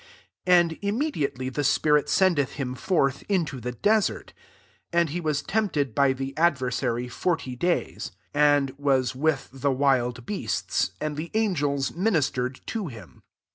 1£ And immediately the spirit sendeth him forth into the desert. IS And he was tempted by the adversary forty days;* and was with the wild beasts ; and the angels minis tered to him.